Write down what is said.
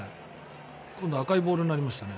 今度は赤いボールになりましたね。